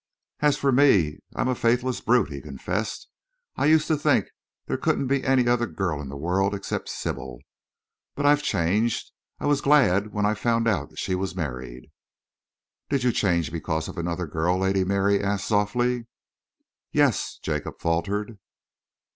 "As for me, I am a faithless brute," he confessed. "I used to think there couldn't be any other girl in the world except Sybil. But I changed. I was glad when I found that she was married." "Did you change because of another girl?" Lady Mary asked softly. "Yes," Jacob faltered.